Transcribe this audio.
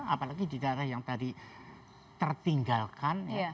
apalagi di daerah yang tadi tertinggalkan